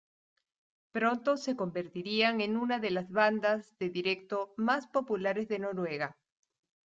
Pronto se convertirían en una de las bandas de directo más populares de Noruega.